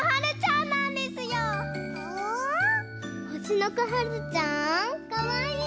ほしのこはるちゃんかわいい！